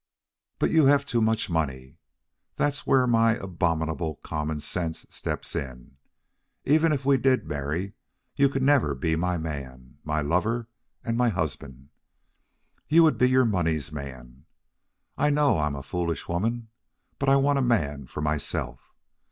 But you have too much money. There's where my abominable common sense steps in. Even if we did marry, you could never be my man my lover and my husband. You would be your money's man. I know I am a foolish woman, but I want my man for myself.